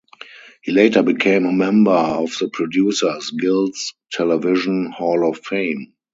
He later became a member of the Producers Guild's Television Hall of Fame.